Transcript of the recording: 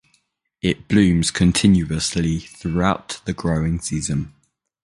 It blooms continuously throughout the growing season.